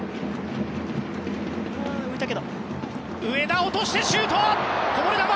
上田、落としてシュート！